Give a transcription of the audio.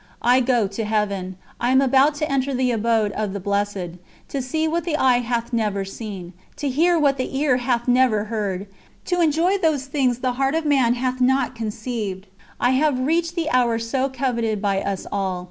I go to Heaven. I am about to enter the Abode of the Blessed to see what the eye hath never seen, to hear what the ear hath never heard, to enjoy those things the heart of man hath not conceived ... I have reached the hour so coveted by us all.